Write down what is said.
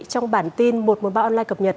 trong bản tin một trăm một mươi ba online cập nhật